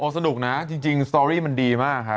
สนุกนะจริงสตอรี่มันดีมากครับ